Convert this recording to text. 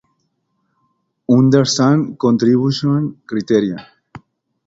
Para debatir el tema Identidad y misticismo.